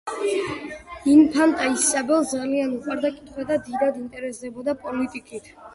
ინფანტა ისაბელს ძალიან უყვარდა კითხვა და დიდად ინტერესდებოდა პოლიტიკით.